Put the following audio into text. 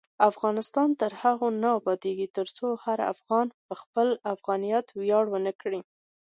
افغانستان تر هغو نه ابادیږي، ترڅو هر افغان په خپل افغانیت ویاړ ونه کړي.